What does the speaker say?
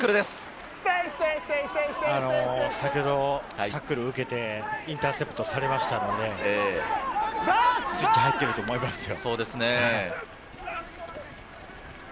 先ほどタックルを受けて、インターセプトされましたので、スイッチは入っていると思いますよ。